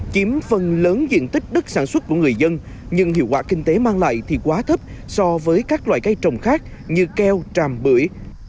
chiếm phần lớn diện tích đất sản xuất của người dân nhưng hiệu quả kinh tế mang lại thì quá thấp so với các loại cây trồng khác như keo tràm bưởi